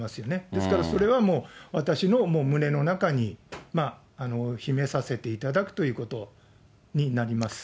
ですから、それはもう私の胸の中に秘めさせていただくということになります。